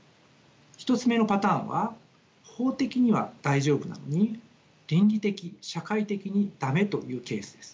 １つ目のパターンは法的には大丈夫なのに倫理的社会的に駄目というケースです。